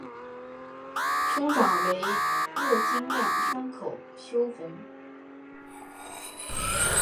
兄长为右京亮山口修弘。